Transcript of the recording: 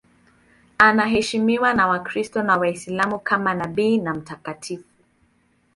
Anaheshimiwa na Wakristo na Waislamu kama nabii na mtakatifu.